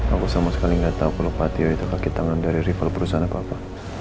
aku sama sekali gak tau kalau patio itu kakitangan dari rival perusahaan apa apa